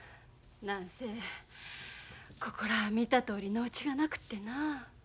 何せここらは見たとおり農地がなくってなあ。